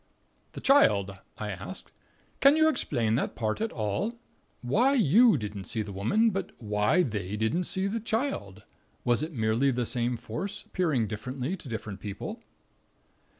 "The Child," I asked. "Can you explain that part at all? Why you didn't see the Woman, and why they didn't see the Child. Was it merely the same Force, appearing differently to different people?"